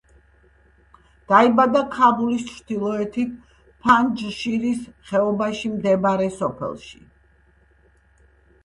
დაიბადა ქაბულის ჩრდილოეთით ფანჯშირის ხეობაში მდებარე სოფელში.